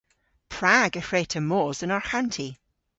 Prag y hwre'ta mos dhe'n arghanti?